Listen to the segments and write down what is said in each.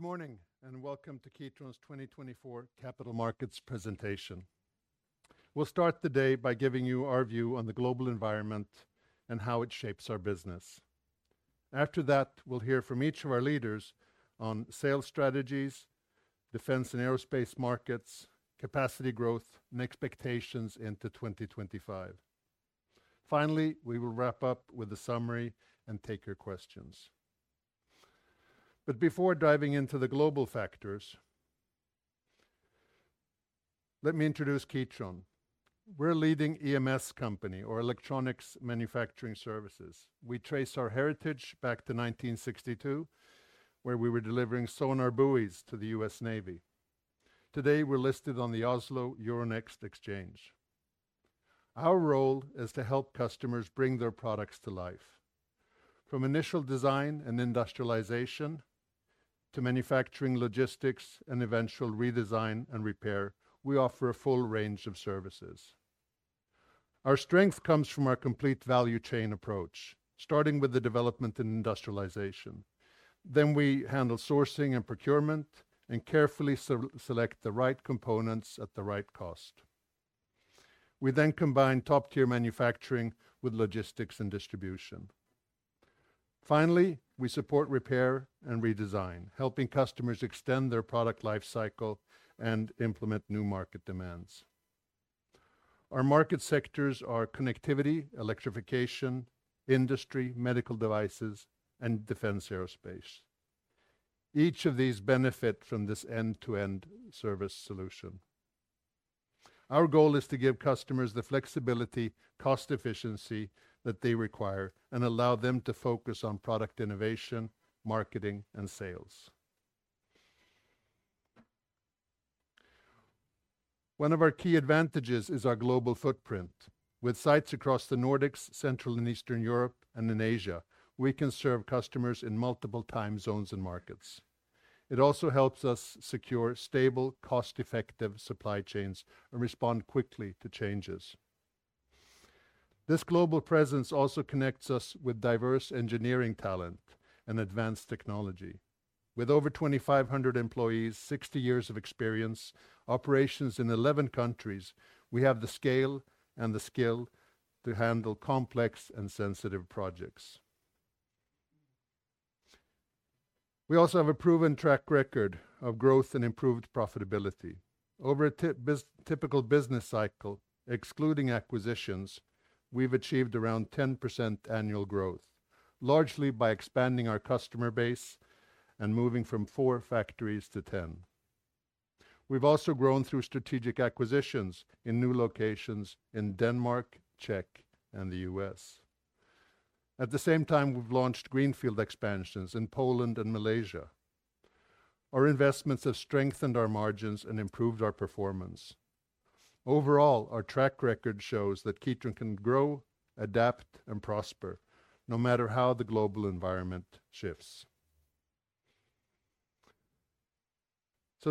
Good morning, and welcome to Kitron's 2024 Capital Markets presentation. We'll start the day by giving you our view on the global environment and how it shapes our business. After that, we'll hear from each of our leaders on sales strategies, defense and aerospace markets, capacity growth, and expectations into 2025. Finally, we will wrap up with a summary and take your questions. But before diving into the global factors, let me introduce Kitron. We're a leading EMS company, or Electronics Manufacturing Services. We trace our heritage back to 1962, where we were delivering sonar buoys to the U.S. Navy. Today, we're listed on the Euronext Oslo. Our role is to help customers bring their products to life. From initial design and industrialization to manufacturing logistics and eventual redesign and repair, we offer a full range of services. Our strength comes from our complete value chain approach, starting with the development and industrialization. Then we handle sourcing and procurement and carefully select the right components at the right cost. We then combine top-tier manufacturing with logistics and distribution. Finally, we support repair and redesign, helping customers extend their product lifecycle and implement new market demands. Our market sectors are connectivity, electrification, industry, medical devices, and defense aerospace. Each of these benefits from this end-to-end service solution. Our goal is to give customers the flexibility, cost efficiency that they require, and allow them to focus on product innovation, marketing, and sales. One of our key advantages is our global footprint. With sites across the Nordics, Central and Eastern Europe, and in Asia, we can serve customers in multiple time zones and markets. It also helps us secure stable, cost-effective supply chains and respond quickly to changes. This global presence also connects us with diverse engineering talent and advanced technology. With over 2,500 employees, 60 years of experience, operations in 11 countries, we have the scale and the skill to handle complex and sensitive projects. We also have a proven track record of growth and improved profitability. Over a typical business cycle, excluding acquisitions, we've achieved around 10% annual growth, largely by expanding our customer base and moving from four factories to 10. We've also grown through strategic acquisitions in new locations in Denmark, Czech, and the U.S. At the same time, we've launched greenfield expansions in Poland and Malaysia. Our investments have strengthened our margins and improved our performance. Overall, our track record shows that Kitron can grow, adapt, and prosper no matter how the global environment shifts.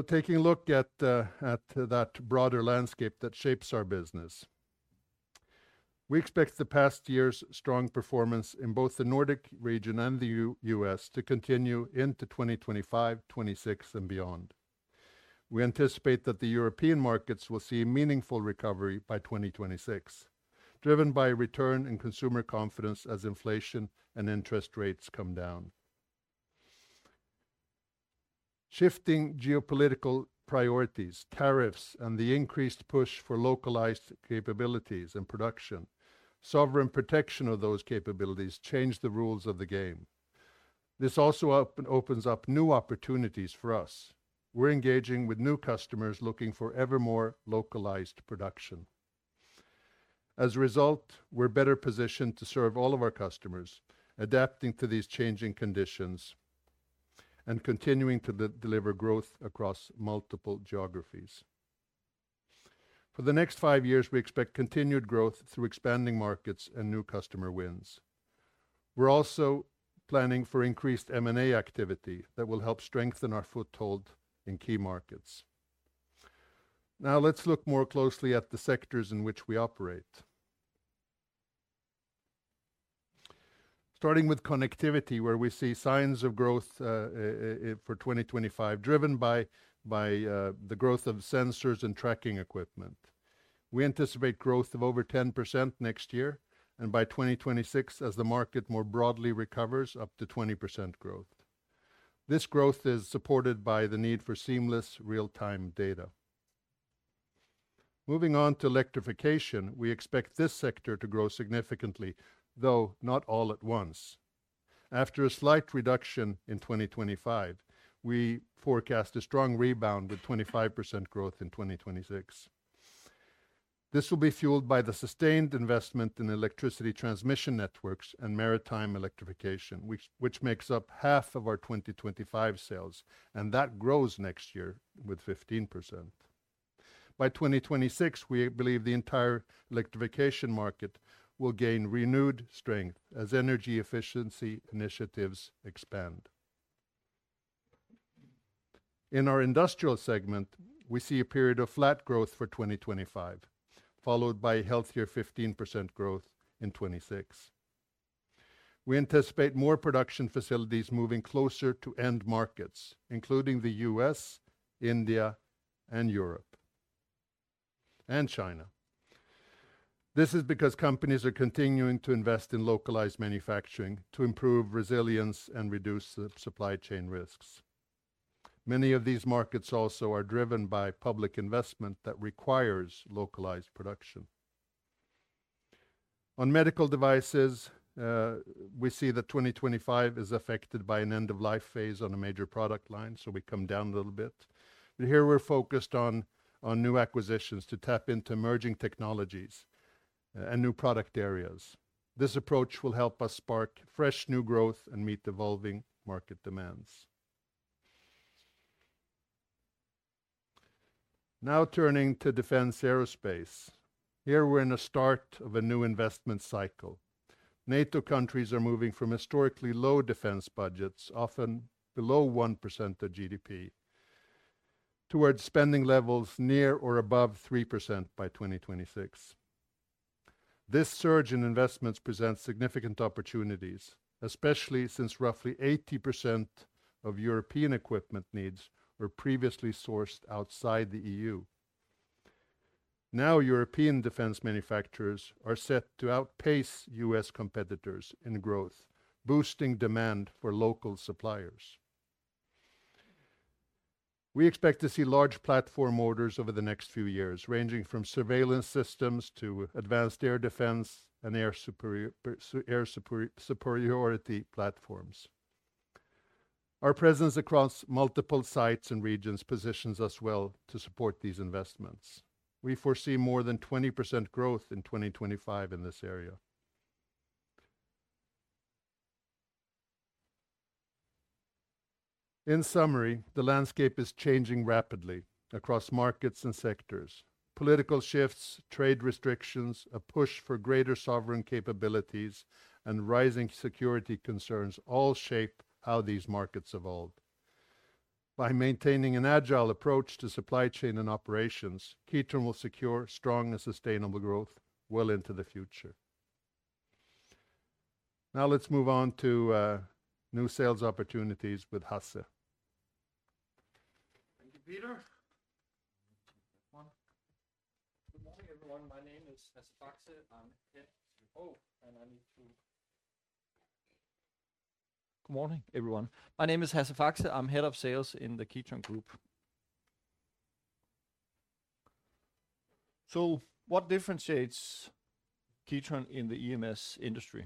Taking a look at that broader landscape that shapes our business, we expect the past year's strong performance in both the Nordic region and the U.S. to continue into 2025, 2026, and beyond. We anticipate that the European markets will see a meaningful recovery by 2026, driven by return and consumer confidence as inflation and interest rates come down. Shifting geopolitical priorities, tariffs, and the increased push for localized capabilities and production, sovereign protection of those capabilities change the rules of the game. This also opens up new opportunities for us. We're engaging with new customers looking for ever more localized production. As a result, we're better positioned to serve all of our customers, adapting to these changing conditions and continuing to deliver growth across multiple geographies. For the next five years, we expect continued growth through expanding markets and new customer wins. We're also planning for increased M&A activity that will help strengthen our foothold in key markets. Now, let's look more closely at the sectors in which we operate. Starting with connectivity, where we see signs of growth for 2025, driven by the growth of sensors and tracking equipment. We anticipate growth of over 10% next year and by 2026, as the market more broadly recovers, up to 20% growth. This growth is supported by the need for seamless, real-time data. Moving on to electrification, we expect this sector to grow significantly, though not all at once. After a slight reduction in 2025, we forecast a strong rebound with 25% growth in 2026. This will be fueled by the sustained investment in electricity transmission networks and maritime electrification, which makes up half of our 2025 sales, and that grows next year with 15%. By 2026, we believe the entire electrification market will gain renewed strength as energy efficiency initiatives expand. In our industrial segment, we see a period of flat growth for 2025, followed by healthier 15% growth in 2026. We anticipate more production facilities moving closer to end markets, including the U.S., India, and Europe, and China. This is because companies are continuing to invest in localized manufacturing to improve resilience and reduce supply chain risks. Many of these markets also are driven by public investment that requires localized production. On medical devices, we see that 2025 is affected by an end-of-life phase on a major product line, so we come down a little bit. But here, we're focused on new acquisitions to tap into emerging technologies and new product areas. This approach will help us spark fresh new growth and meet evolving market demands. Now, turning to defense aerospace. Here, we're in the start of a new investment cycle. NATO countries are moving from historically low defense budgets, often below 1% of GDP, towards spending levels near or above 3% by 2026. This surge in investments presents significant opportunities, especially since roughly 80% of European equipment needs were previously sourced outside the E.U. Now, European defense manufacturers are set to outpace U.S. competitors in growth, boosting demand for local suppliers. We expect to see large platform orders over the next few years, ranging from surveillance systems to advanced air defense and air superiority platforms. Our presence across multiple sites and regions positions us well to support these investments. We foresee more than 20% growth in 2025 in this area. In summary, the landscape is changing rapidly across markets and sectors. Political shifts, trade restrictions, a push for greater sovereign capabilities, and rising security concerns all shape how these markets evolve. By maintaining an agile approach to supply chain and operations, Kitron will secure strong and sustainable growth well into the future. Now, let's move on to new sales opportunities with Hasse. Thank you, Peter. Good morning, everyone. My name is Hasse Faxe. I'm head of sales, and I need to. Good morning, everyone. My name is Hasse Faxe. I'm head of sales in the Kitron Group. What differentiates Kitron in the EMS industry?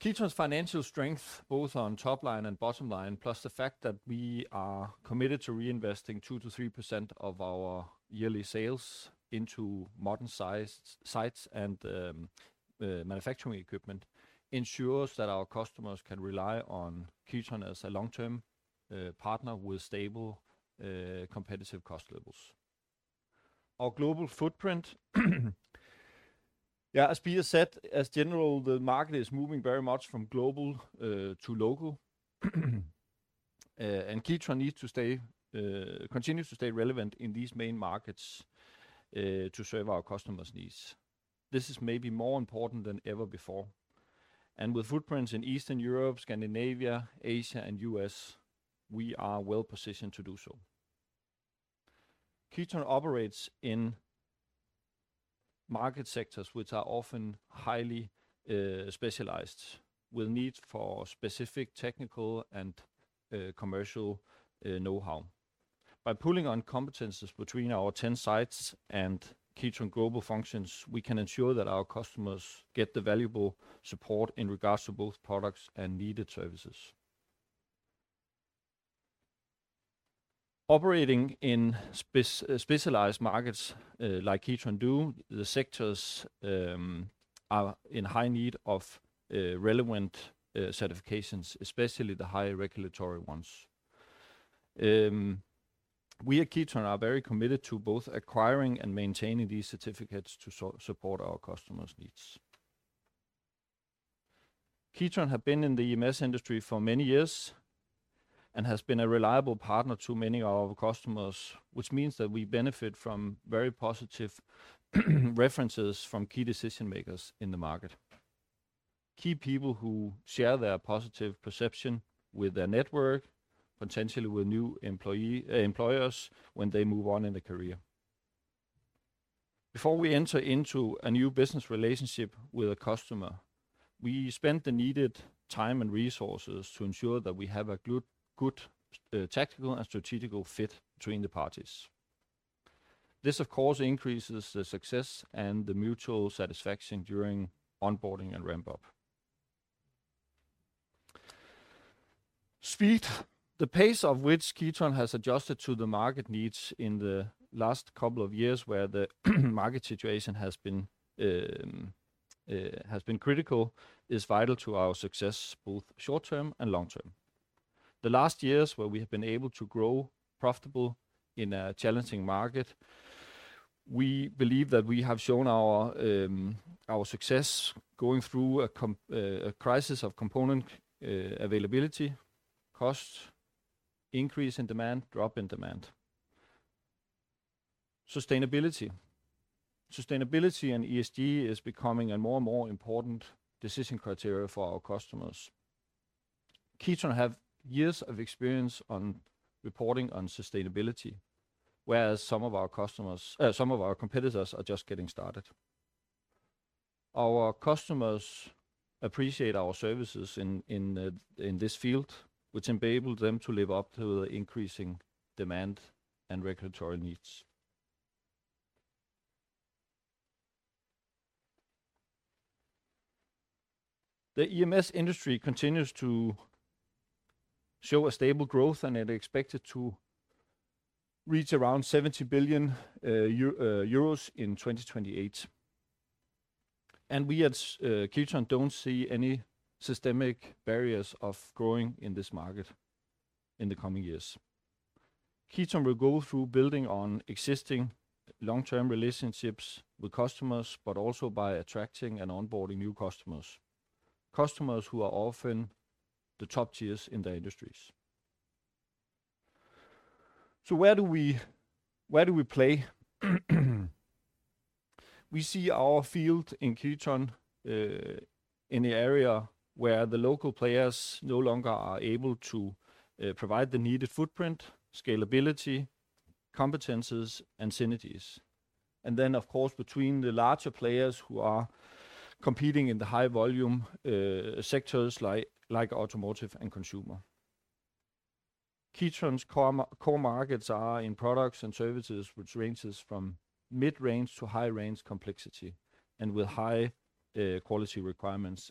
Kitron's financial strength, both on top line and bottom line, plus the fact that we are committed to reinvesting 2%-3% of our yearly sales into modern sites and manufacturing equipment ensures that our customers can rely on Kitron as a long-term partner with stable, competitive cost levels. Our global footprint. Yeah, as Peter said, in general, the market is moving very much from global to local, and Kitron needs to stay, continues to stay relevant in these main markets to serve our customers' needs. This is maybe more important than ever before, and with footprints in Eastern Europe, Scandinavia, Asia, and U.S., we are well positioned to do so. Kitron operates in market sectors which are often highly specialized, with need for specific technical and commercial know-how. By pulling on competencies between our 10 sites and Kitron Global Functions, we can ensure that our customers get the valuable support in regards to both products and needed services. Operating in specialized markets like Kitron do, the sectors are in high need of relevant certifications, especially the high regulatory ones. We at Kitron are very committed to both acquiring and maintaining these certificates to support our customers' needs. Kitron has been in the EMS industry for many years and has been a reliable partner to many of our customers, which means that we benefit from very positive references from key decision-makers in the market. Key people who share their positive perception with their network, potentially with new employers when they move on in the career. Before we enter into a new business relationship with a customer, we spend the needed time and resources to ensure that we have a good tactical and strategic fit between the parties. This, of course, increases the success and the mutual satisfaction during onboarding and ramp-up. Speed, the pace of which Kitron has adjusted to the market needs in the last couple of years, where the market situation has been critical, is vital to our success, both short-term and long-term. The last years where we have been able to grow profitable in a challenging market, we believe that we have shown our success going through a crisis of component availability, cost increase in demand, drop in demand. Sustainability. Sustainability and ESG is becoming a more and more important decision criteria for our customers. Kitron has years of experience on reporting on sustainability, whereas some of our competitors are just getting started. Our customers appreciate our services in this field, which enables them to live up to the increasing demand and regulatory needs. The EMS industry continues to show a stable growth, and it is expected to reach around 70 billion euros in 2028. We at Kitron don't see any systemic barriers of growing in this market in the coming years. Kitron will go through building on existing long-term relationships with customers, but also by attracting and onboarding new customers, customers who are often the top tiers in their industries. Where do we play? We see our field in Kitron in the area where the local players no longer are able to provide the needed footprint, scalability, competencies, and synergies. And then, of course, between the larger players who are competing in the high-volume sectors like automotive and consumer. Kitron's core markets are in products and services, which ranges from mid-range to high-range complexity and with high-quality requirements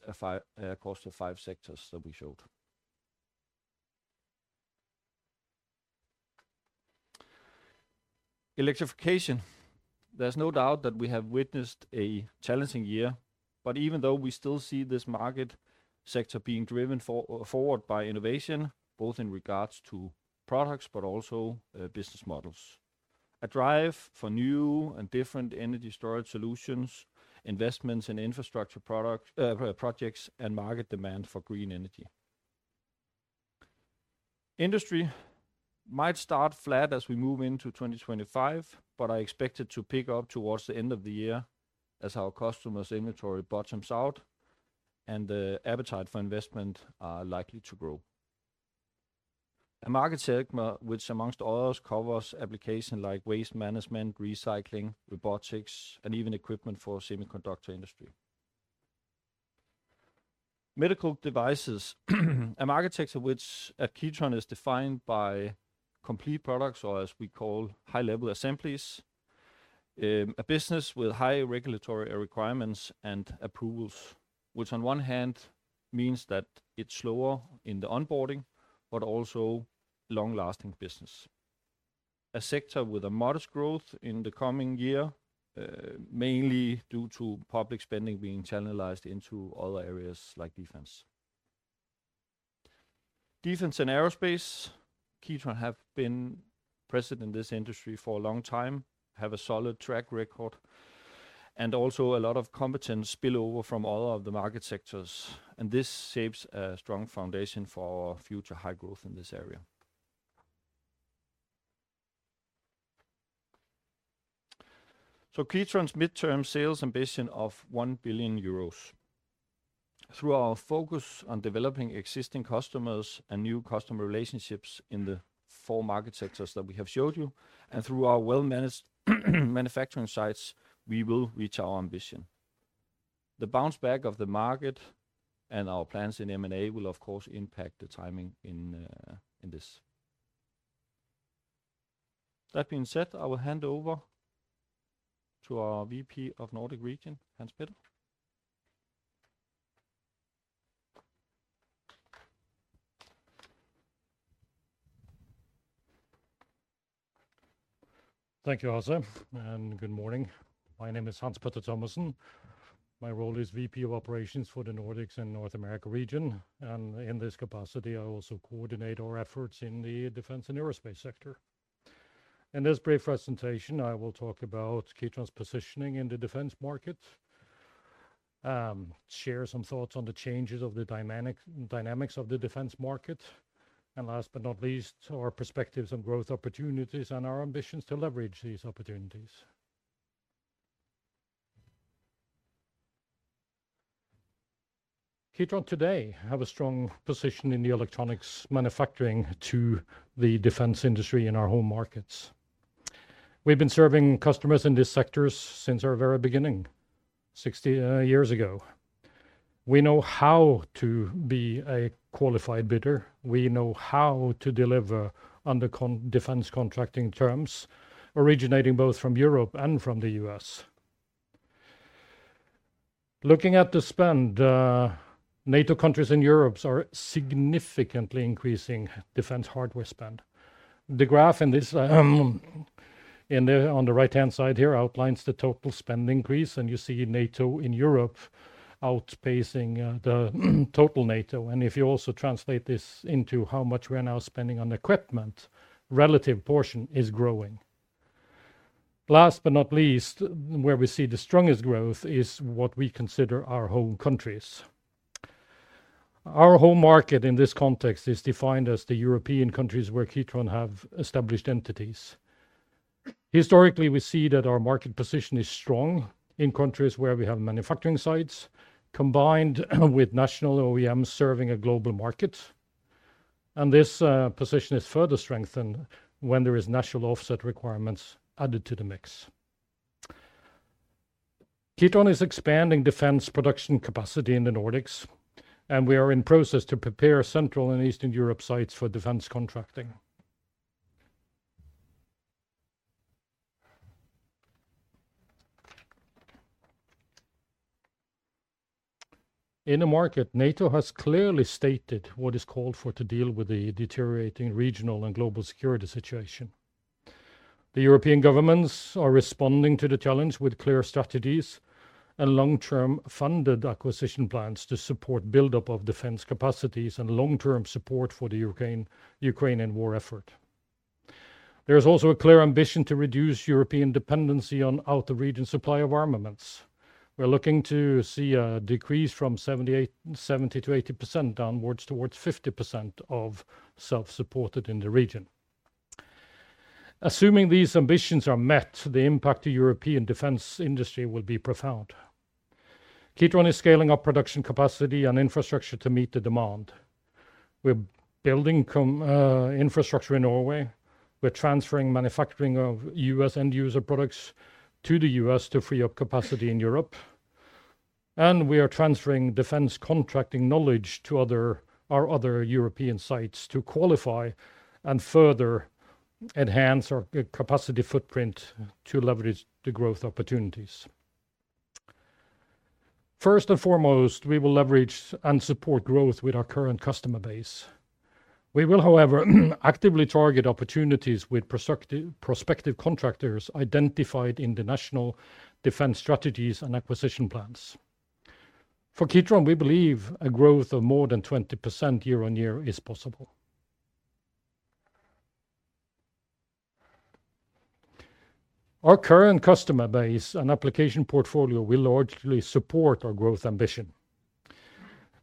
across the five sectors that we showed. Electrification. There's no doubt that we have witnessed a challenging year, but even though we still see this market sector being driven forward by innovation, both in regards to products, but also business models. A drive for new and different energy storage solutions, investments in infrastructure projects, and market demand for green energy. Industry might start flat as we move into 2025, but I expect it to pick up towards the end of the year as our customers' inventory bottoms out and the appetite for investment is likely to grow. A market segment which, among others, covers applications like waste management, recycling, robotics, and even equipment for the semiconductor industry. Medical devices. A market sector which at Kitron is defined by complete products, or as we call, high-level assemblies. A business with high regulatory requirements and approvals, which on one hand means that it's slower in the onboarding, but also a long-lasting business. A sector with a modest growth in the coming year, mainly due to public spending being channeled into other areas like defense. Defense and aerospace. Kitron has been present in this industry for a long time, has a solid track record, and also a lot of competence spillover from all of the market sectors. And this shapes a strong foundation for our future high growth in this area. So Kitron's midterm sales ambition of 1 billion euros. Through our focus on developing existing customers and new customer relationships in the four market sectors that we have showed you, and through our well-managed manufacturing sites, we will reach our ambition. The bounce back of the market and our plans in M&A will, of course, impact the timing in this. That being said, I will hand over to our VP of the Nordic region, Hans Petter. Thank you, Hasse, and good morning. My name is Hans Petter Thomassen. My role is VP of Operations for the Nordics and North America region. In this capacity, I also coordinate our efforts in the defense and aerospace sector. In this brief presentation, I will talk about Kitron's positioning in the defense market, share some thoughts on the changes of the dynamics of the defense market, and last but not least, our perspectives on growth opportunities and our ambitions to leverage these opportunities. Kitron today has a strong position in the electronics manufacturing to the defense industry in our home markets. We've been serving customers in these sectors since our very beginning, 60 years ago. We know how to be a qualified bidder. We know how to deliver under defense contracting terms originating both from Europe and from the U.S. Looking at the spend, NATO countries in Europe are significantly increasing defense hardware spend. The graph on the right-hand side here outlines the total spend increase, and you see NATO in Europe outpacing the total NATO. And if you also translate this into how much we are now spending on equipment, the relative portion is growing. Last but not least, where we see the strongest growth is what we consider our home countries. Our home market in this context is defined as the European countries where Kitron has established entities. Historically, we see that our market position is strong in countries where we have manufacturing sites, combined with national OEMs serving a global market. And this position is further strengthened when there are national offset requirements added to the mix. Kitron is expanding defense production capacity in the Nordics, and we are in the process of preparing Central and Eastern Europe sites for defense contracting. In the market, NATO has clearly stated what is called for to deal with the deteriorating regional and global security situation. The European governments are responding to the challenge with clear strategies and long-term funded acquisition plans to support the buildup of defense capacities and long-term support for the Ukrainian war effort. There is also a clear ambition to reduce European dependency on out-of-region supply of armaments. We're looking to see a decrease from 70% to 80% downwards towards 50% of self-supported in the region. Assuming these ambitions are met, the impact on the European defense industry will be profound. Kitron is scaling up production capacity and infrastructure to meet the demand. We're building infrastructure in Norway. We're transferring manufacturing of U.S. end-user products to the U.S. to free up capacity in Europe, and we are transferring defense contracting knowledge to our other European sites to qualify and further enhance our capacity footprint to leverage the growth opportunities. First and foremost, we will leverage and support growth with our current customer base. We will, however, actively target opportunities with prospective contractors identified in the national defense strategies and acquisition plans. For Kitron, we believe a growth of more than 20% year on year is possible. Our current customer base and application portfolio will largely support our growth ambition.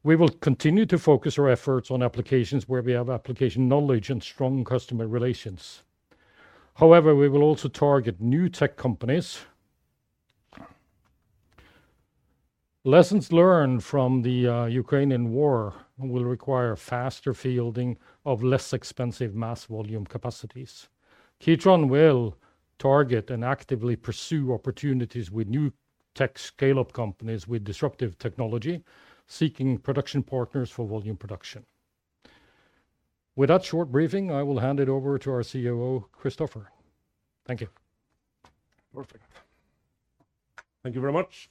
We will continue to focus our efforts on applications where we have application knowledge and strong customer relations. However, we will also target new tech companies. Lessons learned from the Ukrainian war will require faster fielding of less expensive mass-volume capacities. Kitron will target and actively pursue opportunities with new tech scale-up companies with disruptive technology, seeking production partners for volume production. With that short briefing, I will hand it over to our COO, Kristoffer. Thank you. Perfect. Thank you very much.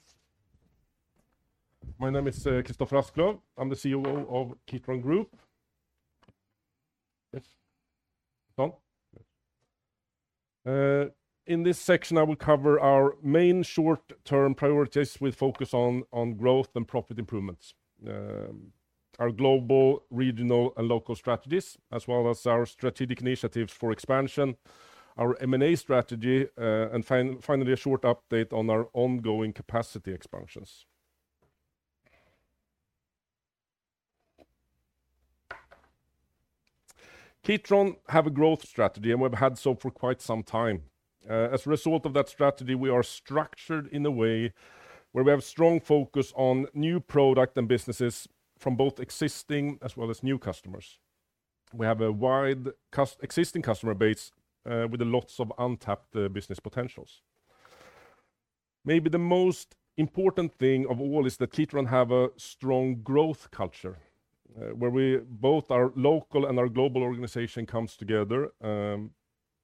My name is Kristoffer Askløv. I'm the COO of Kitron Group. Yes, Tom? In this section, I will cover our main short-term priorities with focus on growth and profit improvements. Our global, regional, and local strategies, as well as our strategic initiatives for expansion, our M&A strategy, and finally, a short update on our ongoing capacity expansions. Kitron has a growth strategy, and we've had so for quite some time. As a result of that strategy, we are structured in a way where we have a strong focus on new products and businesses from both existing as well as new customers. We have a wide existing customer base with lots of untapped business potentials. Maybe the most important thing of all is that Kitron has a strong growth culture, where both our local and our global organization come together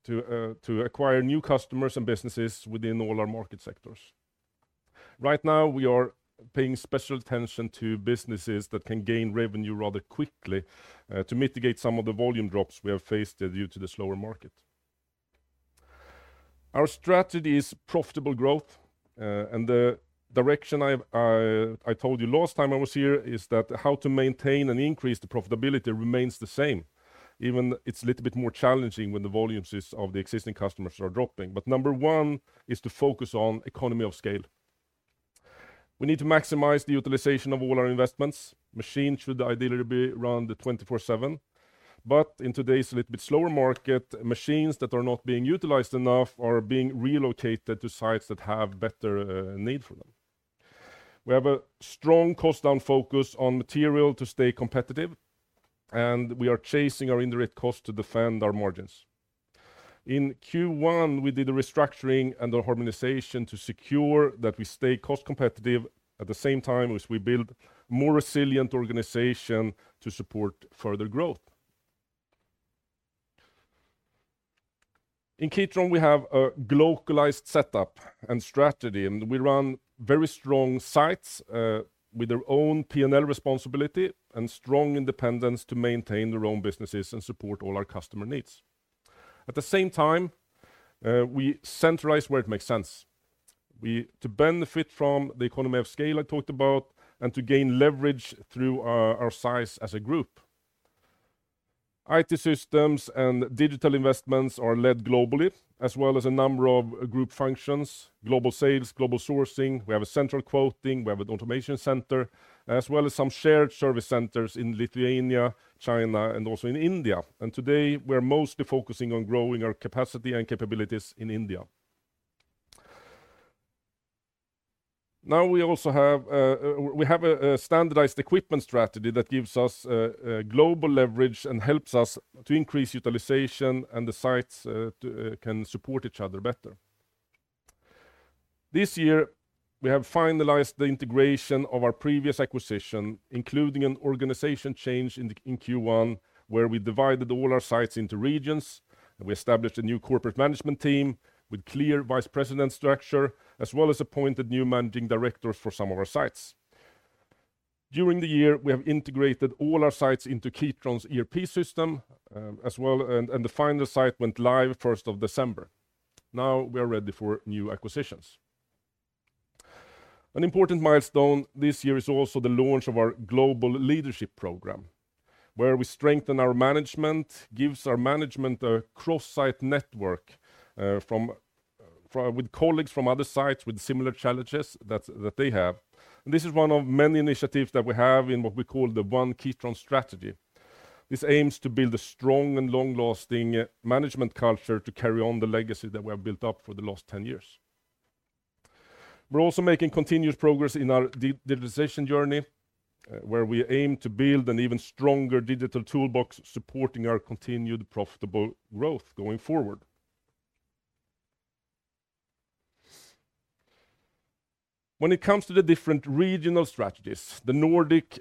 to acquire new customers and businesses within all our market sectors. Right now, we are paying special attention to businesses that can gain revenue rather quickly to mitigate some of the volume drops we have faced due to the slower market. Our strategy is profitable growth, and the direction I told you last time I was here is that how to maintain and increase the profitability remains the same. Even it's a little bit more challenging when the volumes of the existing customers are dropping. But number one is to focus on economies of scale. We need to maximize the utilization of all our investments. Machines should ideally be run 24/7. But in today's a little bit slower market, machines that are not being utilized enough are being relocated to sites that have better need for them. We have a strong cost-down focus on material to stay competitive, and we are chasing our indirect costs to defend our margins. In Q1, we did a restructuring and a harmonization to secure that we stay cost-competitive at the same time as we build a more resilient organization to support further growth. In Kitron, we have a localized setup and strategy, and we run very strong sites with their own P&L responsibility and strong independence to maintain their own businesses and support all our customer needs. At the same time, we centralize where it makes sense to benefit from the economy of scale I talked about and to gain leverage through our size as a group. IT systems and digital investments are led globally, as well as a number of group functions: global sales, global sourcing. We have a central quoting. We have an automation center, as well as some shared service centers in Lithuania, China, and also in India. And today, we're mostly focusing on growing our capacity and capabilities in India. Now, we also have a standardized equipment strategy that gives us global leverage and helps us to increase utilization, and the sites can support each other better. This year, we have finalized the integration of our previous acquisition, including an organization change in Q1, where we divided all our sites into regions. We established a new corporate management team with a clear vice president structure, as well as appointed new managing directors for some of our sites. During the year, we have integrated all our sites into Kitron's ERP system, and the final site went live on the 1st of December. Now, we are ready for new acquisitions. An important milestone this year is also the launch of our global leadership program, where we strengthen our management, give our management a cross-site network with colleagues from other sites with similar challenges that they have. And this is one of many initiatives that we have in what we call the One Kitron Strategy. This aims to build a strong and long-lasting management culture to carry on the legacy that we have built up for the last 10 years. We're also making continuous progress in our digitalization journey, where we aim to build an even stronger digital toolbox supporting our continued profitable growth going forward. When it comes to the different regional strategies, the Nordics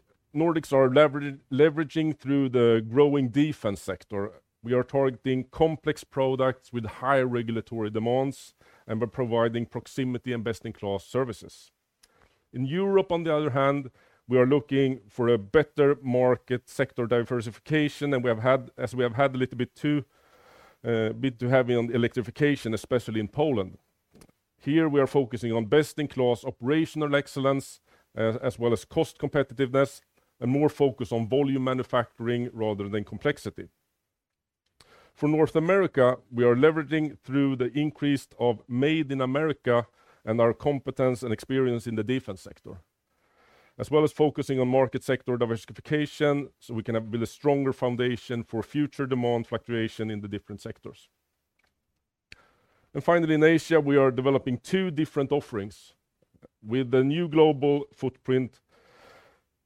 are leveraging through the growing defense sector. We are targeting complex products with higher regulatory demands, and we're providing proximity and best-in-class services. In Europe, on the other hand, we are looking for a better market sector diversification, and as we have had a little bit too heavy on electrification, especially in Poland. Here, we are focusing on best-in-class operational excellence, as well as cost competitiveness, and more focus on volume manufacturing rather than complexity. For North America, we are leveraging through the increase of made in America and our competence and experience in the defense sector, as well as focusing on market sector diversification so we can build a stronger foundation for future demand fluctuation in the different sectors. And finally, in Asia, we are developing two different offerings with a new global footprint: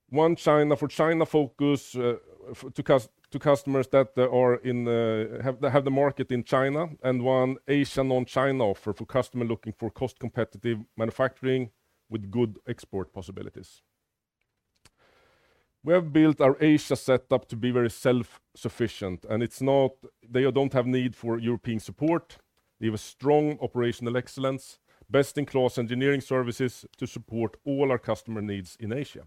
one China for China focus to customers that have the market in China, and one Asia non-China offer for customers looking for cost-competitive manufacturing with good export possibilities. We have built our Asia setup to be very self-sufficient, and they don't have a need for European support. We have strong operational excellence, best-in-class engineering services to support all our customer needs in Asia.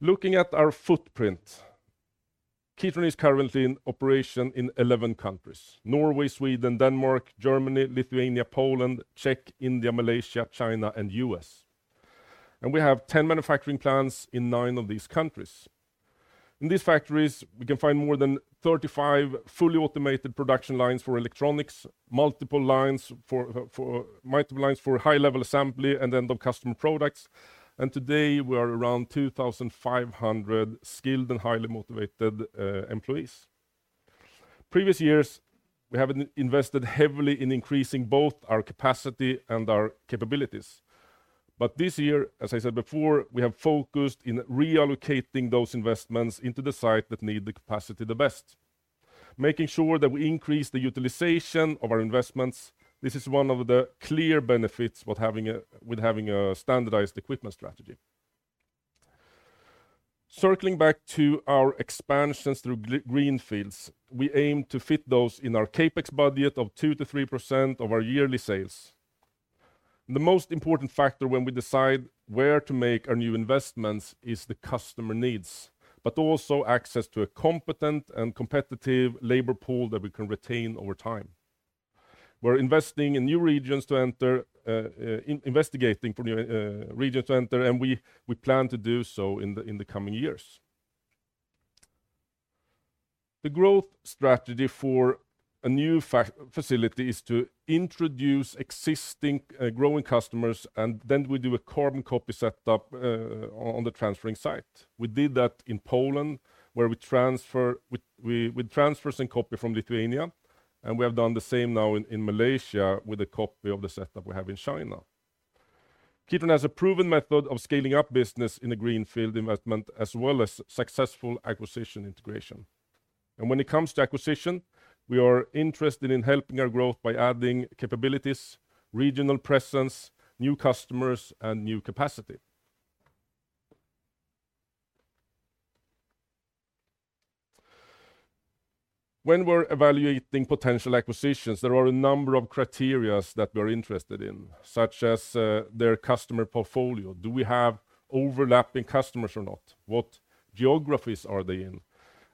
Looking at our footprint, Kitron is currently in operation in 11 countries: Norway, Sweden, Denmark, Germany, Lithuania, Poland, Czech, India, Malaysia, China, and U.S. And we have 10 manufacturing plants in 9 of these countries. In these factories, we can find more than 35 fully automated production lines for electronics, multiple lines for high-level assembly, and end-of-customer products. And today, we are around 2,500 skilled and highly motivated employees. Previous years, we have invested heavily in increasing both our capacity and our capabilities. But this year, as I said before, we have focused on reallocating those investments into the sites that need the capacity the best, making sure that we increase the utilization of our investments. This is one of the clear benefits of having a standardized equipment strategy. Circling back to our expansions through greenfields, we aim to fit those in our CapEx budget of 2%-3% of our yearly sales. The most important factor when we decide where to make our new investments is the customer needs, but also access to a competent and competitive labor pool that we can retain over time. We're investing in new regions to enter, investigating for new regions to enter, and we plan to do so in the coming years. The growth strategy for a new facility is to introduce existing growing customers, and then we do a carbon copy setup on the transferring site. We did that in Poland, where we transfer some copy from Lithuania, and we have done the same now in Malaysia with a copy of the setup we have in China. Kitron has a proven method of scaling up business in a greenfield investment, as well as successful acquisition integration. And when it comes to acquisition, we are interested in helping our growth by adding capabilities, regional presence, new customers, and new capacity. When we're evaluating potential acquisitions, there are a number of criteria that we're interested in, such as their customer portfolio. Do we have overlapping customers or not? What geographies are they in?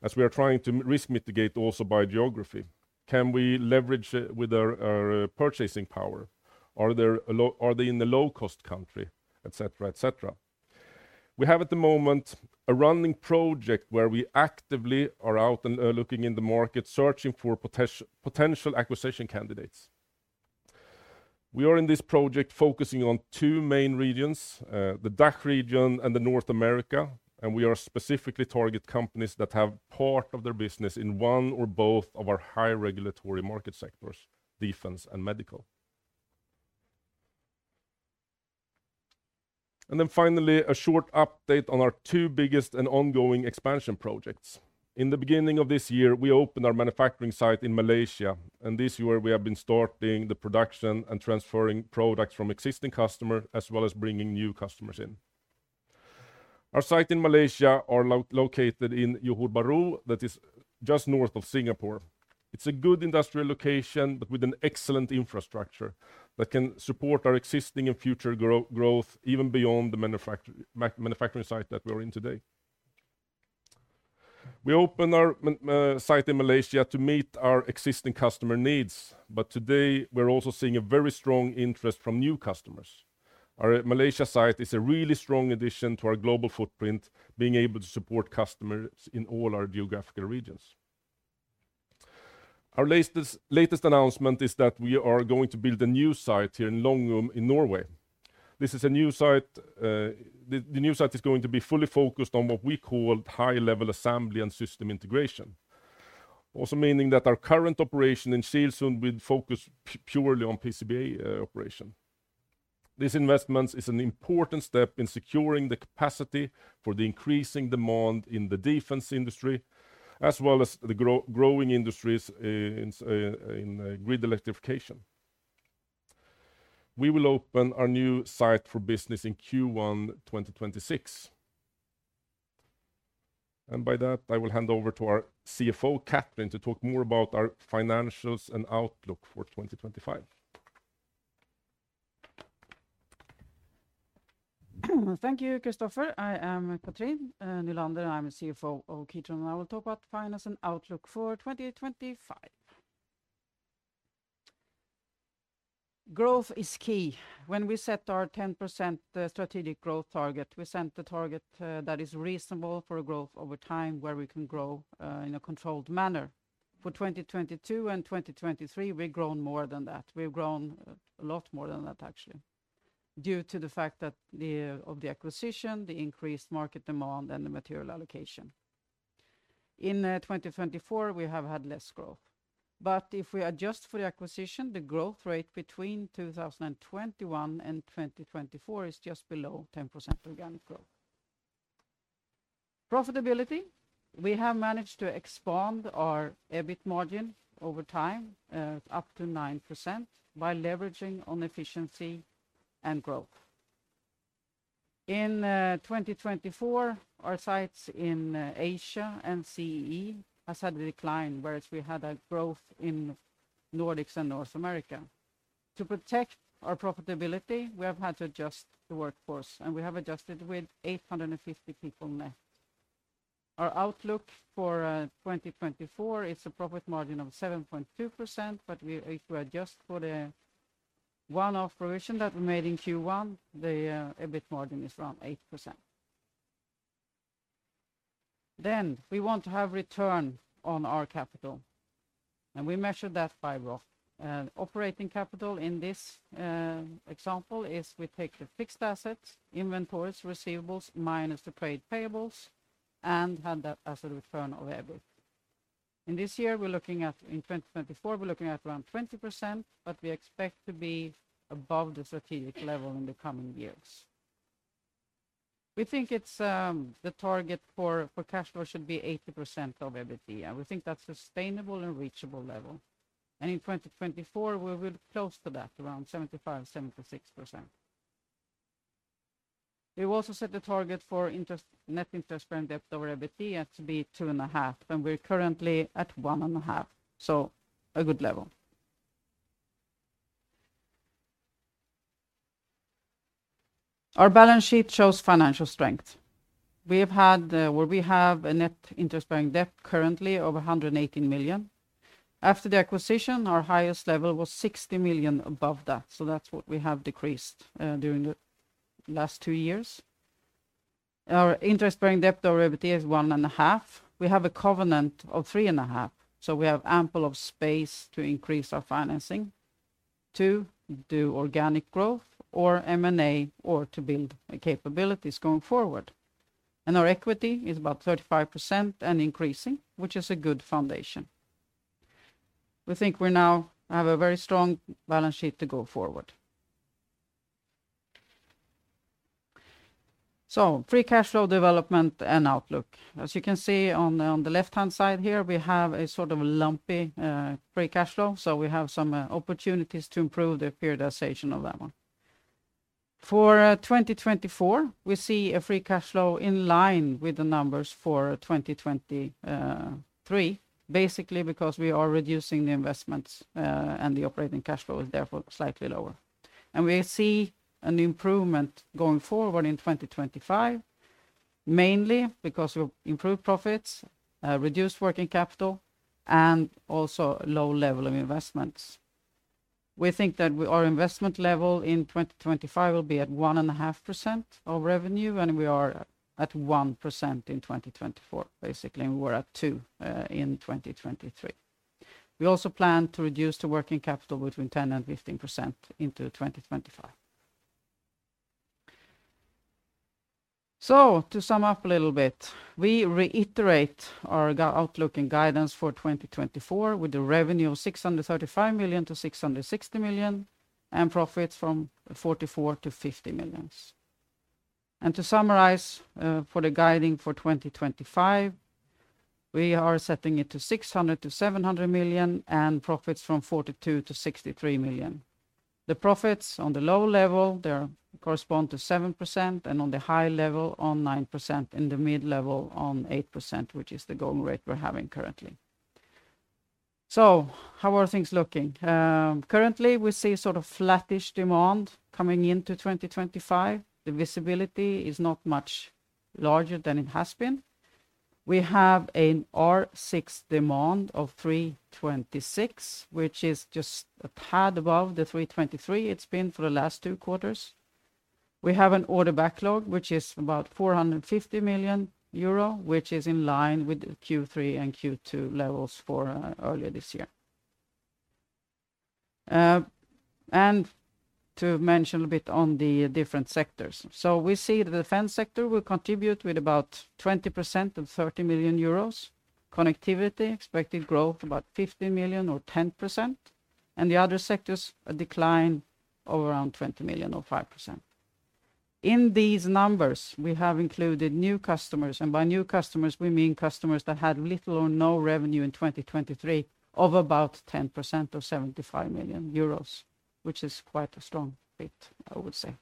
As we are trying to risk mitigate also by geography, can we leverage with our purchasing power? Are they in the low-cost country, et cetera, et cetera? We have, at the moment, a running project where we actively are out and looking in the market, searching for potential acquisition candidates. We are, in this project, focusing on two main regions: the DACH region and North America. And we are specifically targeting companies that have part of their business in one or both of our high regulatory market sectors: defense and medical. And then finally, a short update on our two biggest and ongoing expansion projects. In the beginning of this year, we opened our manufacturing site in Malaysia. And this year, we have been starting the production and transferring products from existing customers, as well as bringing new customers in. Our site in Malaysia is located in Johor Bahru, that is just north of Singapore. It's a good industrial location, but with an excellent infrastructure that can support our existing and future growth, even beyond the manufacturing site that we are in today. We opened our site in Malaysia to meet our existing customer needs, but today, we're also seeing a very strong interest from new customers. Our Malaysia site is a really strong addition to our global footprint, being able to support customers in all our geographical regions. Our latest announcement is that we are going to build a new site here in Longum in Norway. This is a new site. The new site is going to be fully focused on what we call high-level assembly and system integration, also meaning that our current operation in Skien would focus purely on PCBA operation. This investment is an important step in securing the capacity for the increasing demand in the defense industry, as well as the growing industries in grid electrification. We will open our new site for business in Q1 2026, and by that, I will hand over to our CFO, Cathrin, to talk more about our financials and outlook for 2025. Thank you, Kristoffer. I am Cathrin Nylander, and I'm the CFO of Kitron. I will talk about finance and outlook for 2025. Growth is key. When we set our 10% strategic growth target, we set the target that is reasonable for growth over time, where we can grow in a controlled manner. For 2022 and 2023, we've grown more than that. We've grown a lot more than that, actually, due to the fact of the acquisition, the increased market demand, and the material allocation. In 2024, we have had less growth. But if we adjust for the acquisition, the growth rate between 2021 and 2024 is just below 10% organic growth. Profitability: we have managed to expand our EBIT margin over time up to 9% by leveraging on efficiency and growth. In 2024, our sites in Asia and CEE have had a decline, whereas we had a growth in Nordics and North America. To protect our profitability, we have had to adjust the workforce, and we have adjusted with 850 people net. Our outlook for 2024 is a profit margin of 7.2%, but if we adjust for the one-off provision that we made in Q1, the EBIT margin is around 8%. Then, we want to have return on our capital, and we measure that by ROC. Operating capital in this example is we take the fixed assets, inventories, receivables, minus the paid payables, and have that as a return of EBIT. In this year in 2024, we're looking at around 20%, but we expect to be above the strategic level in the coming years. We think the target for cash flow should be 80% of EBITDA. We think that's a sustainable and reachable level, and in 2024 we will be close to that, around 75%-76%. We've also set a target for net interest-bearing debt over EBITDA to be 2.5%, and we're currently at 1.5%, so a good level. Our balance sheet shows financial strength. We have had, or we have a net interest-bearing debt currently of 118 million. After the acquisition, our highest level was 60 million above that, so that's what we have decreased during the last two years. Our interest-bearing debt over EBITDA is 1.5%. We have a covenant of 3.5%, so we have ample space to increase our financing to do organic growth or M&A or to build capabilities going forward. And our equity is about 35% and increasing, which is a good foundation. We think we now have a very strong balance sheet to go forward. So, free cash flow development and outlook. As you can see on the left-hand side here, we have a sort of lumpy free cash flow, so we have some opportunities to improve the periodization of that one. For 2024, we see a free cash flow in line with the numbers for 2023, basically because we are reducing the investments and the operating cash flow is therefore slightly lower. And we see an improvement going forward in 2025, mainly because we've improved profits, reduced working capital, and also low level of investments. We think that our investment level in 2025 will be at 1.5% of revenue, and we are at 1% in 2024, basically, and we were at 2% in 2023. We also plan to reduce the working capital between 10% and 15% into 2025, so to sum up a little bit, we reiterate our outlook and guidance for 2024 with a revenue of 635-660 million and profits from 44-50 million, and to summarize for the guidance for 2025, we are setting it to 600-700 million and profits from 42-63 million. The profits on the low level, they correspond to 7%, and on the high level, on 9%, and the mid-level on 8%, which is the goal rate we're having currently. How are things looking? Currently, we see sort of flattish demand coming into 2025. The visibility is not much larger than it has been. We have an R6 demand of 326, which is just a tad above the 323 it's been for the last two quarters. We have an order backlog, which is about 450 million euro, which is in line with Q3 and Q2 levels for earlier this year. And to mention a bit on the different sectors, so we see the defense sector will contribute with about 20% of 30 million euros. Connectivity expected growth about 15 million or 10%. And the other sectors decline of around 20 million or 5%. In these numbers, we have included new customers, and by new customers, we mean customers that had little or no revenue in 2023 of about 10% of 75 million euros, which is quite a strong bit, I would say.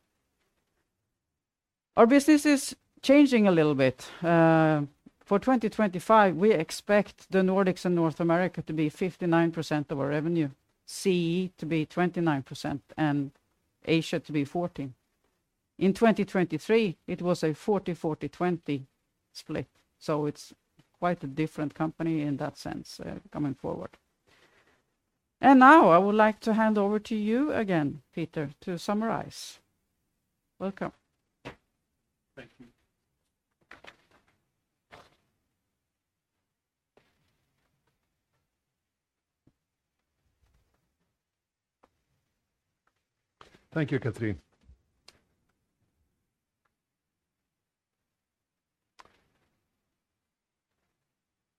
Our business is changing a little bit. For 2025, we expect the Nordics and North America to be 59% of our revenue, CE to be 29%, and Asia to be 14%. In 2023, it was a 40%-40%-20% split, so it's quite a different company in that sense coming forward. And now, I would like to hand over to you again, Peter, to summarize. Welcome. Thank you. Thank you, Cathrin.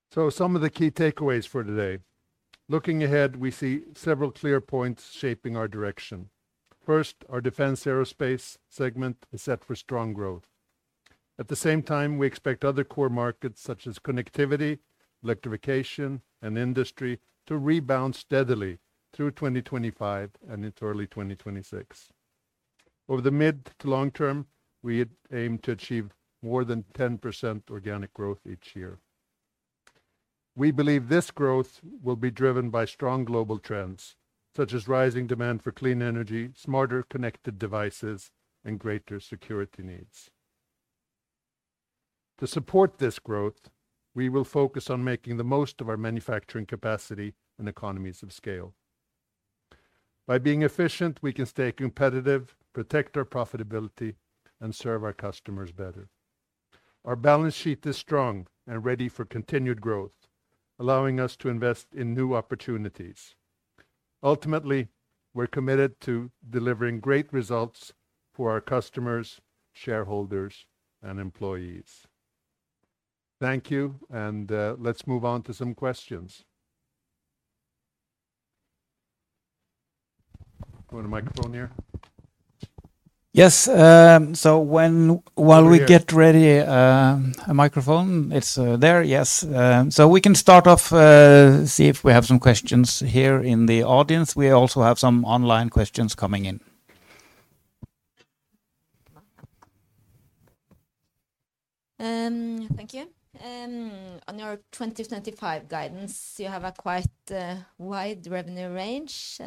So, some of the key takeaways for today. Looking ahead, we see several clear points shaping our direction. First, our defense aerospace segment is set for strong growth. At the same time, we expect other core markets such as connectivity, electrification, and industry to rebound steadily through 2025 and into early 2026. Over the mid to long term, we aim to achieve more than 10% organic growth each year. We believe this growth will be driven by strong global trends, such as rising demand for clean energy, smarter connected devices, and greater security needs. To support this growth, we will focus on making the most of our manufacturing capacity and economies of scale. By being efficient, we can stay competitive, protect our profitability, and serve our customers better. Our balance sheet is strong and ready for continued growth, allowing us to invest in new opportunities. Ultimately, we're committed to delivering great results for our customers, shareholders, and employees. Thank you, and let's move on to some questions. Do you want a microphone here? Yes. So, while we get ready a microphone, it's there, yes. So, we can start off, see if we have some questions here in the audience. We also have some online questions coming in. Thank you. On your 2025 guidance, you have a quite wide revenue range,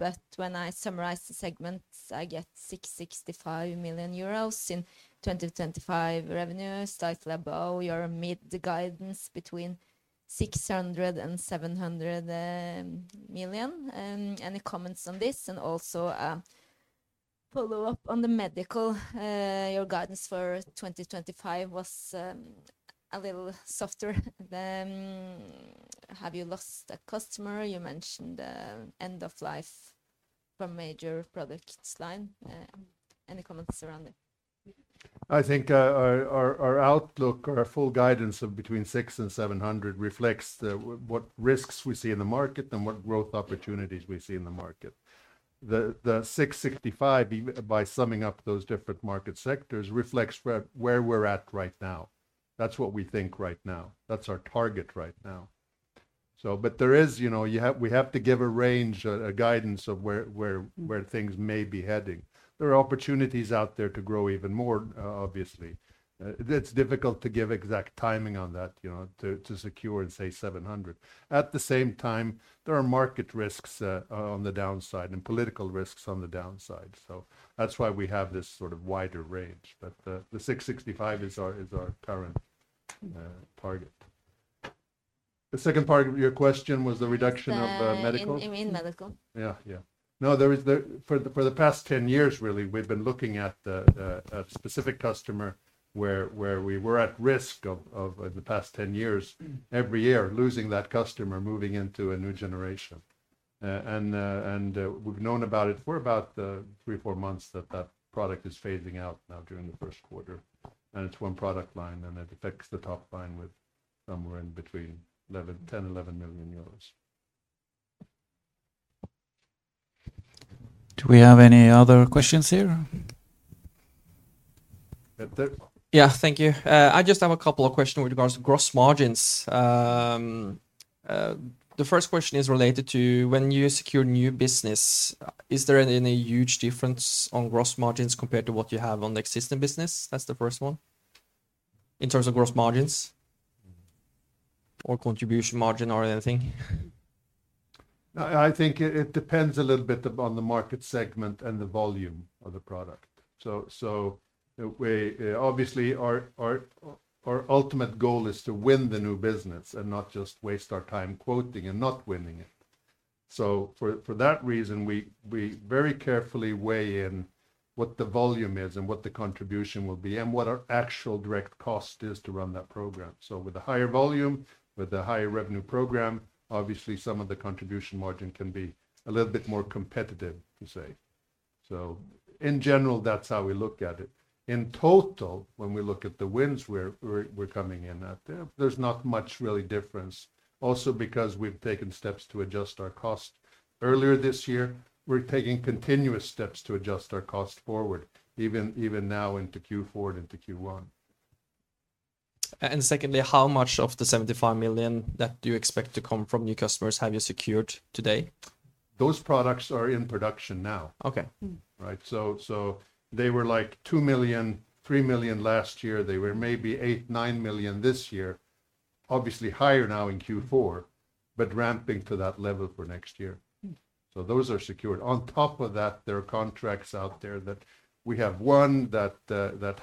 but when I summarize the segments, I get 665 million euros in 2025 revenue, slightly above your mid guidance between 600 million and 700 million. Any comments on this? And also, follow up on the medical. Your guidance for 2025 was a little softer. Have you lost a customer? You mentioned end-of-life for major product line. Any comments around it? I think our outlook, our full guidance of between 600 million and 700 million reflects what risks we see in the market and what growth opportunities we see in the market. The 665, by summing up those different market sectors, reflects where we're at right now. That's what we think right now. That's our target right now. So, but there is, you know, we have to give a range, a guidance of where things may be heading. There are opportunities out there to grow even more, obviously. It's difficult to give exact timing on that, you know, to secure and say 700. At the same time, there are market risks on the downside and political risks on the downside. So, that's why we have this sort of wider range. But the 665 is our current target. The second part of your question was the reduction of medical? You mean medical? Yeah, yeah. No, for the past 10 years, really, we've been looking at a specific customer where we were at risk of, in the past 10 years, every year losing that customer, moving into a new generation. And we've known about it for about three or four months that that product is phasing out now during the first quarter. It's one product line, and it affects the top line with somewhere in between 10 million and 11 million euros. Do we have any other questions here? Yeah, thank you. I just have a couple of questions with regards to gross margins. The first question is related to when you secure new business, is there any huge difference on gross margins compared to what you have on the existing business? That's the first one, in terms of gross margins or contribution margin or anything. I think it depends a little bit on the market segment and the volume of the product. So, obviously, our ultimate goal is to win the new business and not just waste our time quoting and not winning it. So, for that reason, we very carefully weigh in what the volume is and what the contribution will be and what our actual direct cost is to run that program. So, with a higher volume, with a higher revenue program, obviously, some of the contribution margin can be a little bit more competitive, to say. So, in general, that's how we look at it. In total, when we look at the wins we're coming in at, there's not much really difference. Also, because we've taken steps to adjust our cost earlier this year, we're taking continuous steps to adjust our cost forward, even now into Q4 and into Q1. And secondly, how much of the 75 million that you expect to come from new customers have you secured today? Those products are in production now. Okay. Right. So, they were like 2 million, 3 million last year. They were maybe 8-9 million this year, obviously higher now in Q4, but ramping to that level for next year. So, those are secured. On top of that, there are contracts out there that we have one that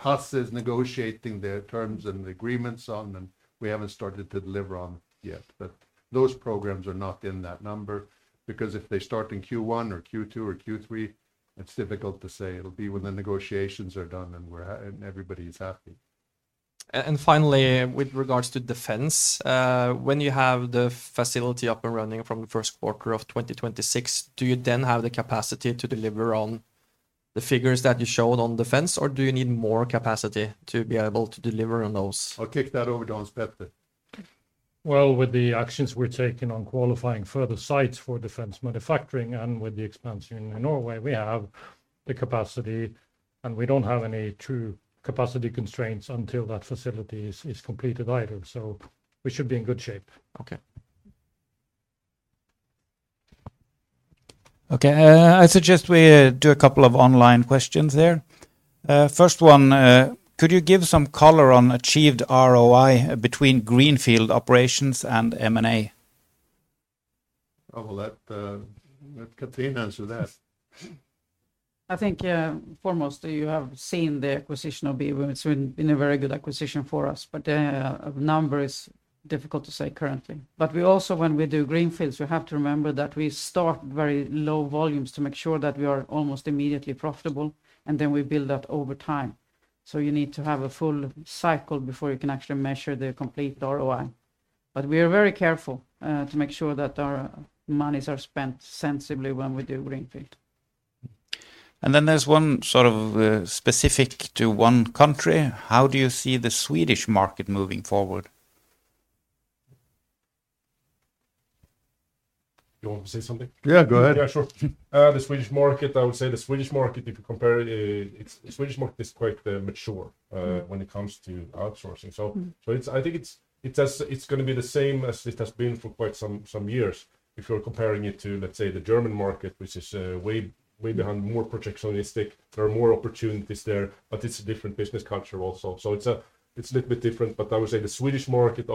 Hasse is negotiating the terms and the agreements on, and we haven't started to deliver on it yet. But those programs are not in that number because if they start in Q1 or Q2 or Q3, it's difficult to say. It'll be when the negotiations are done and everybody is happy. Finally, with regards to defense, when you have the facility up and running from the first quarter of 2026, do you then have the capacity to deliver on the figures that you showed on defense, or do you need more capacity to be able to deliver on those? I'll kick that over to Hans Petter. With the actions we're taking on qualifying further sites for defense manufacturing and with the expansion in Norway, we have the capacity, and we don't have any true capacity constraints until that facility is completed either. We should be in good shape. Okay. Okay, I suggest we do a couple of online questions there. First one, could you give some color on achieved ROI between greenfield operations and M&A? I will let Cathrin answer that. I think foremost, you have seen the acquisition of BB Electronics. It's been a very good acquisition for us, but the number is difficult to say currently. But we also, when we do greenfields, we have to remember that we start very low volumes to make sure that we are almost immediately profitable, and then we build that over time. You need to have a full cycle before you can actually measure the complete ROI. But we are very careful to make sure that our monies are spent sensibly when we do greenfield. And then there's one sort of specific to one country. How do you see the Swedish market moving forward? Do you want to say something? Yeah, go ahead. Yeah, sure. The Swedish market, I would say, if you compare, the Swedish market is quite mature when it comes to outsourcing. So, I think it's going to be the same as it has been for quite some years. If you're comparing it to, let's say, the German market, which is way behind, more protectionist, there are more opportunities there, but it's a different business culture also. It's a little bit different, but I would say the Swedish market.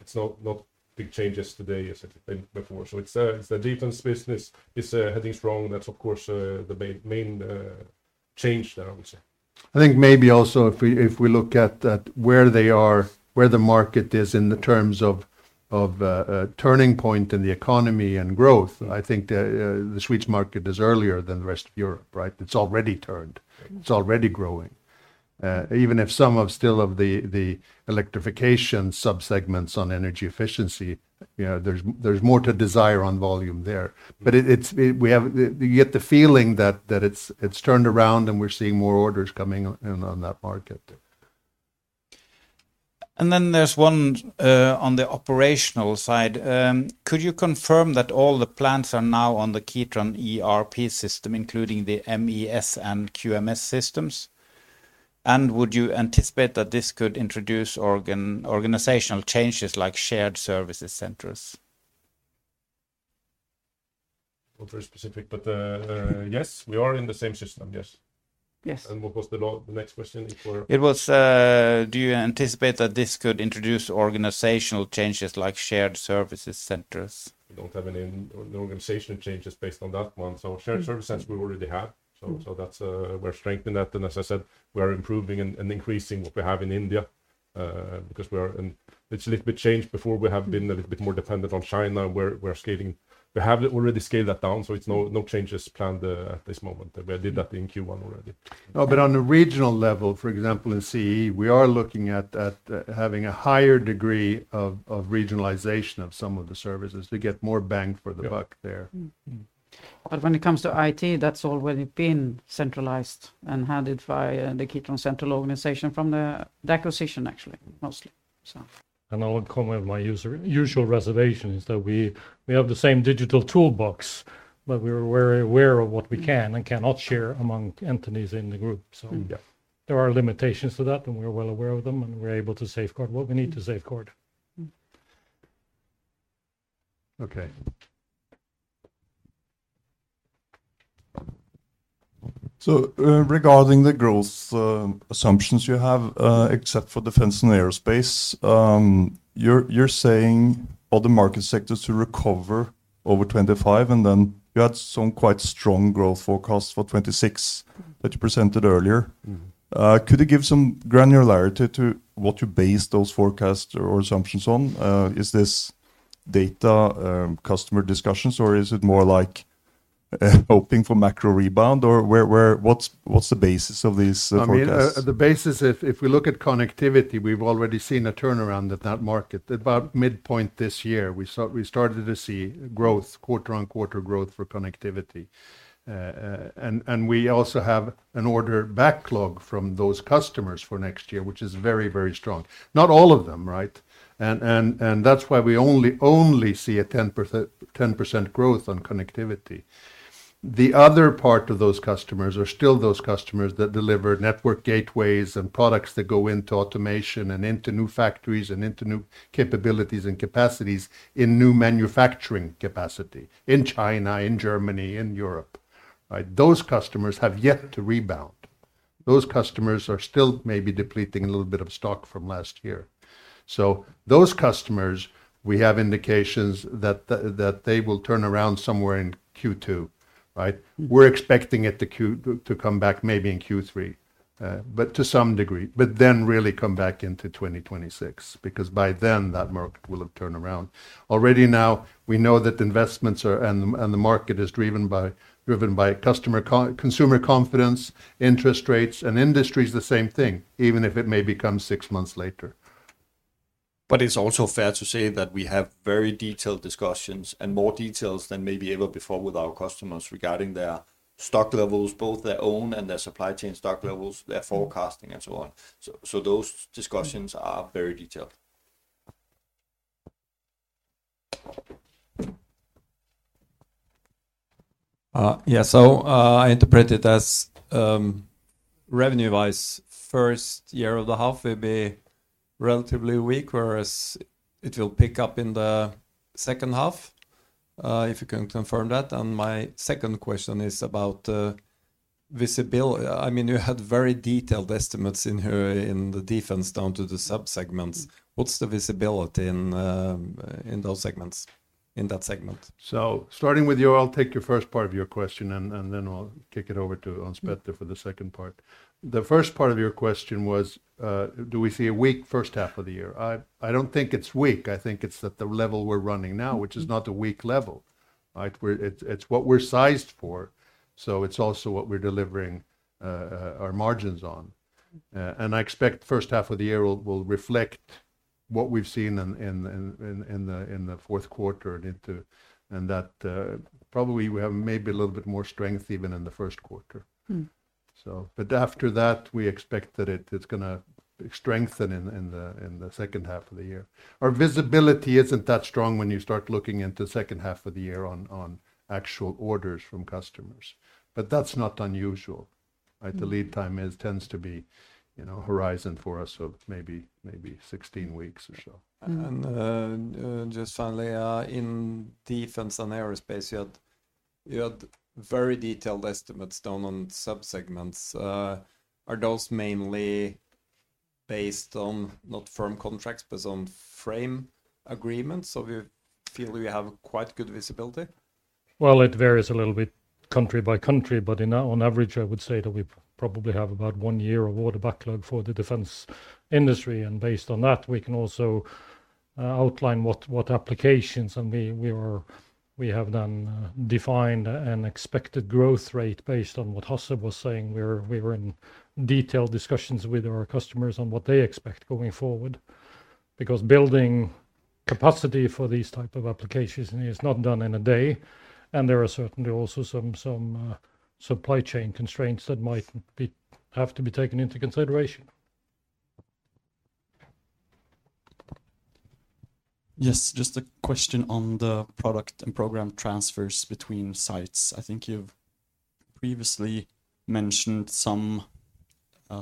It's not big changes today as it did before. It's a defense business. It's heading strong. That's, of course, the main change there, I would say. I think maybe also if we look at where they are, where the market is in the terms of turning point in the economy and growth, I think the Swedish market is earlier than the rest of Europe, right? It's already turned. It's already growing. Even if some of still of the electrification subsegments on energy efficiency, there's more to desire on volume there. But we get the feeling that it's turned around and we're seeing more orders coming in on that market, and then there's one on the operational side. Could you confirm that all the plants are now on the Kitron ERP system, including the MES and QMS systems? And would you anticipate that this could introduce organizational changes like shared services centers? Not very specific, but yes, we are in the same system, yes. Yes. And what was the next question? It was, do you anticipate that this could introduce organizational changes like shared services centers? We don't have any organizational changes based on that one. So, shared services centers we already have. So, that's we're strengthening that. And as I said, we are improving and increasing what we have in India because we are, it's a little bit changed before we have been a little bit more dependent on China where we're scaling. We have already scaled that down. So, it's no changes planned at this moment. We did that in Q1 already. No, but on the regional level, for example, in CE, we are looking at having a higher degree of regionalization of some of the services to get more bang for the buck there, but when it comes to IT, that's already been centralized and handled by the Kitron Central organization from the acquisition, actually, mostly, and I'll come with my usual reservations that we have the same digital toolbox, but we're very aware of what we can and cannot share among entities in the group, so there are limitations to that, and we're well aware of them, and we're able to safeguard what we need to safeguard. Okay, so regarding the growth assumptions you have, except for defense and aerospace, you're saying for the market sectors to recover over 2025, and then you had some quite strong growth forecasts for 2026 that you presented earlier. Could you give some granularity to what you base those forecasts or assumptions on? Is this data customer discussions, or is it more like hoping for macro rebound, or what's the basis of these forecasts? The basis, if we look at connectivity, we've already seen a turnaround at that market. At about midpoint this year, we started to see growth, quarter-on-quarter growth for connectivity. And we also have an order backlog from those customers for next year, which is very, very strong. Not all of them, right? And that's why we only see a 10% growth on connectivity. The other part of those customers are still those customers that deliver network gateways and products that go into automation and into new factories and into new capabilities and capacities in new manufacturing capacity in China, in Germany, in Europe. Those customers have yet to rebound. Those customers are still maybe depleting a little bit of stock from last year. So, those customers, we have indications that they will turn around somewhere in Q2, right? We're expecting it to come back maybe in Q3, but to some degree, but then really come back into 2026 because by then that market will have turned around. Already now, we know that investments and the market is driven by customer confidence, interest rates, and industries, the same thing, even if it may become six months later. But it's also fair to say that we have very detailed discussions and more details than maybe ever before with our customers regarding their stock levels, both their own and their supply chain stock levels, their forecasting, and so on. So, those discussions are very detailed. Yeah, so I interpret it as revenue-wise, first half of the year will be relatively weak, whereas it will pick up in the second half, if you can confirm that. And my second question is about visibility. I mean, you had very detailed estimates in the defense down to the subsegments. What's the visibility in those segments, in that segment? So, starting with you, I'll take your first part of your question, and then I'll kick it over to Hans Petter for the second part. The first part of your question was, do we see a weak first half of the year? I don't think it's weak. I think it's at the level we're running now, which is not a weak level, right? It's what we're sized for. So, it's also what we're delivering our margins on. I expect the first half of the year will reflect what we've seen in the fourth quarter and into that. Probably we have maybe a little bit more strength even in the first quarter. After that, we expect that it's going to strengthen in the second half of the year. Our visibility isn't that strong when you start looking into the second half of the year on actual orders from customers. That's not unusual. The lead time tends to be horizon for us of maybe 16 weeks or so. Just finally, in defense and aerospace, you had very detailed estimates done on subsegments. Are those mainly based on not firm contracts, but on frame agreements? We feel we have quite good visibility. It varies a little bit country by country, but on average, I would say that we probably have about one year of order backlog for the defense industry. Based on that, we can also outline what applications and we have then defined an expected growth rate based on what Hasse was saying. We were in detailed discussions with our customers on what they expect going forward because building capacity for these types of applications is not done in a day. There are certainly also some supply chain constraints that might have to be taken into consideration. Yes, just a question on the product and program transfers between sites. I think you've previously mentioned some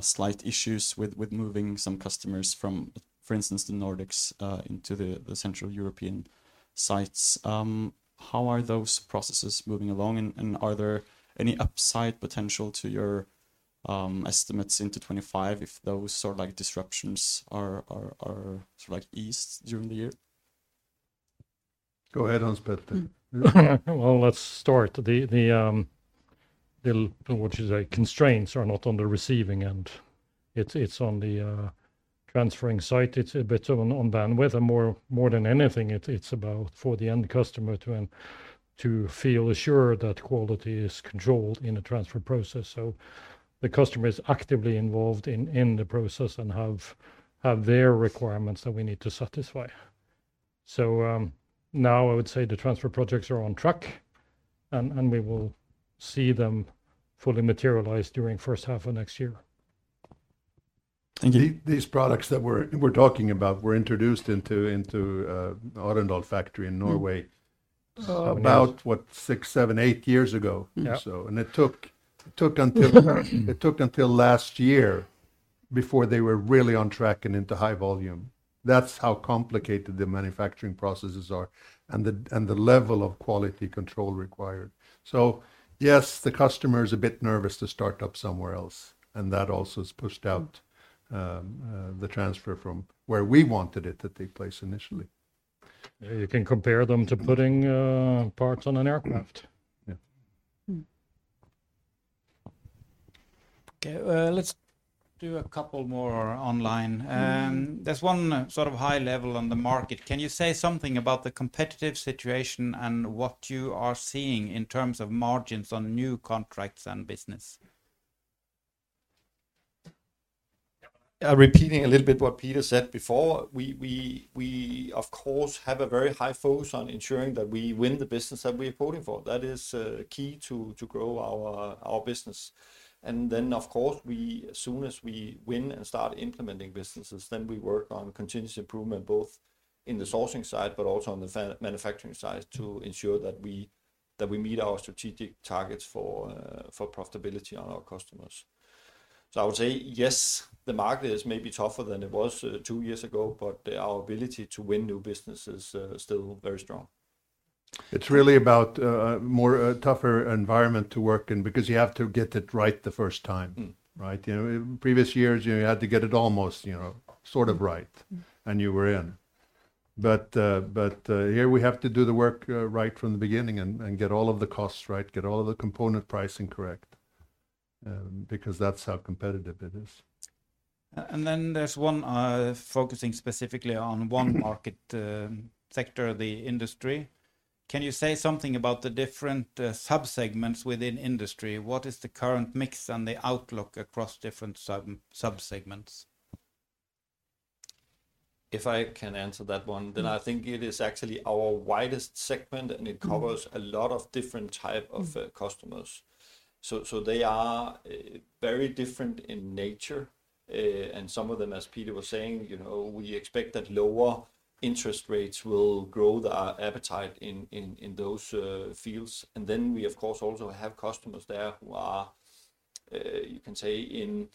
slight issues with moving some customers from, for instance, the Nordics into the Central European sites. How are those processes moving along? Are there any upside potential to your estimates into 2025 if those sort of disruptions are eased during the year? Go ahead, Hans Petter. Let's start. The constraints are not on the receiving end. It's on the transferring site. It's a bit on bandwidth. More than anything, it's about for the end customer to feel assured that quality is controlled in the transfer process. The customer is actively involved in the process and have their requirements that we need to satisfy. Now I would say the transfer projects are on track, and we will see them fully materialize during the first half of next year. Thank you. These products that we're talking about were introduced into Arendal Factory in Norway about, what, six, seven, eight years ago. It took until last year before they were really on track and into high volume. That's how complicated the manufacturing processes are and the level of quality control required. So, yes, the customer is a bit nervous to start up somewhere else. And that also has pushed out the transfer from where we wanted it that they placed initially. You can compare them to putting parts on an aircraft. Yeah. Okay, let's do a couple more online. There's one sort of high level on the market. Can you say something about the competitive situation and what you are seeing in terms of margins on new contracts and business? Repeating a little bit what Peter said before, we, of course, have a very high focus on ensuring that we win the business that we are vying for. That is key to grow our business. Then, of course, as soon as we win and start implementing businesses, then we work on continuous improvement both in the sourcing side, but also on the manufacturing side to ensure that we meet our strategic targets for profitability on our customers. I would say, yes, the market is maybe tougher than it was two years ago, but our ability to win new business is still very strong. It's really about a more tougher environment to work in because you have to get it right the first time, right? In previous years, you had to get it almost sort of right, and you were in. Here, we have to do the work right from the beginning and get all of the costs right, get all of the component pricing correct because that's how competitive it is. And then there's one focusing specifically on one market sector, the industry. Can you say something about the different subsegments within industry? What is the current mix and the outlook across different subsegments? If I can answer that one, then I think it is actually our widest segment, and it covers a lot of different types of customers. So, they are very different in nature. And some of them, as Peter was saying, we expect that lower interest rates will grow the appetite in those fields. And then we, of course, also have customers there who are, you can say, in,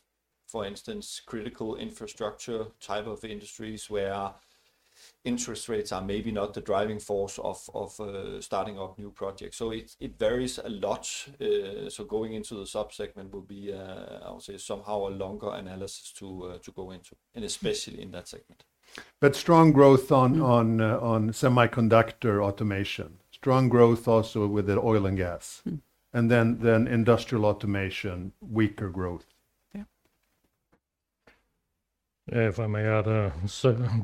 for instance, critical infrastructure type of industries where interest rates are maybe not the driving force of starting up new projects. So, it varies a lot. So, going into the subsegment will be, I would say, somehow a longer analysis to go into, and especially in that segment. But strong growth on semiconductor automation. Strong growth also with oil and gas. And then industrial automation, weaker growth. Yeah. If I may add a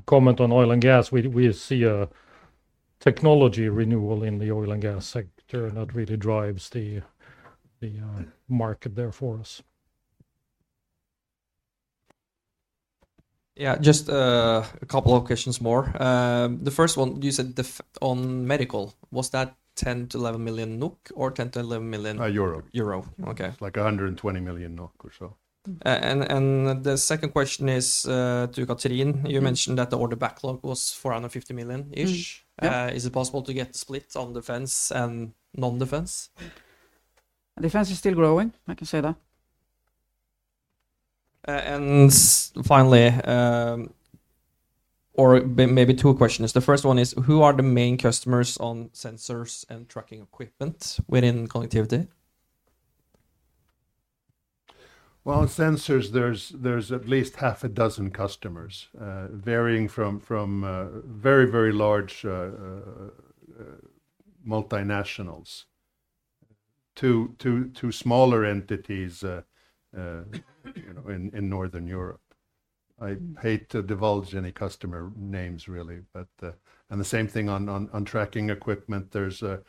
comment on oil and gas, we see a technology renewal in the oil and gas sector that really drives the market there for us. Yeah, just a couple of questions more. The first one, you said on medical, was that 10-11 million NOK or 10-11 million euro? EUR, okay. It's like 120 million NOK or so. And the second question is to Cathrin. You mentioned that the order backlog was 450 million-ish. Is it possible to get split on defense and non-defense? Defense is still growing, I can say that. And finally, or maybe two questions. The first one is, who are the main customers on sensors and tracking equipment within connectivity? Sensors, there's at least half a dozen customers, varying from very, very large multinationals to smaller entities in Northern Europe. I hate to divulge any customer names, really. The same thing on tracking equipment. There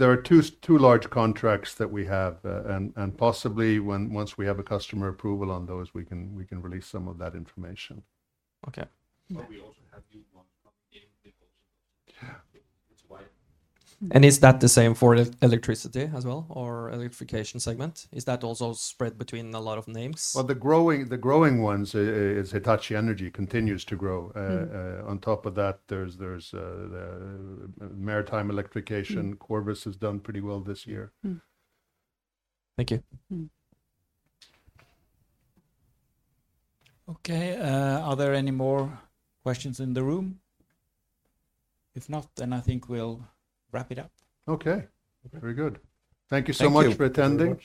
are two large contracts that we have, and possibly once we have a customer approval on those, we can release some of that information. Okay. We also have new ones coming in. Is that the same for electricity as well or electrification segment? Is that also spread between a lot of names? The growing ones is Hitachi Energy continues to grow. On top of that, there's maritime electrification. Corvus Energy has done pretty well this year. Thank you. Okay, are there any more questions in the room? If not, then I think we'll wrap it up. Okay, very good. Thank you so much for attending.